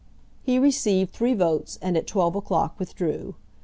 He received three votes, and at twelve o'clock withdrew.